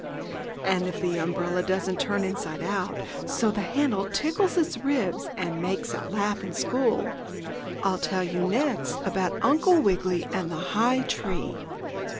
And if the umbrella doesn't turn inside out so the handle tickles its ribs and makes it laugh in school, I'll tell you next about Uncle Wiggily and the high tree.